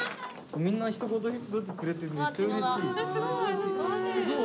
みんなひと言ずつくれてめっちゃうれしい。